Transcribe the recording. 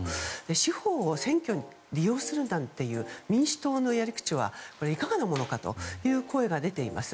司法を選挙に利用するなんていう民主党のやり口はいかがなものかという声が出ています。